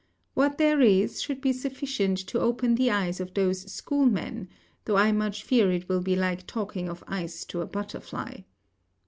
What there is, should be sufficient to open the eyes of those schoolmen, though I much fear it will be like talking of ice to a butterfly.